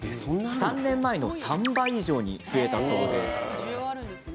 ３年前の３倍以上に増えたそうです。